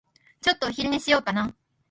ちょっとお昼寝しようかな。